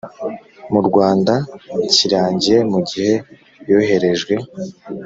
mu Rwanda kirangiye mu gihe yoherejwe